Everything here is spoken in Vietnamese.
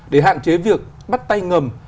để hạn chế việc bắt tay ngầm